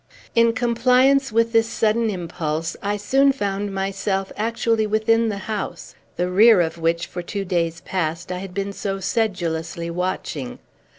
In compliance with this sudden impulse, I soon found myself actually within the house, the rear of which, for two days past, I had been so sedulously watching.